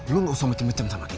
lo gak usah macem macem sama kita